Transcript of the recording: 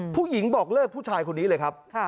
ผู้หญิงบอกเลิกผู้ชายคนนี้เลยครับ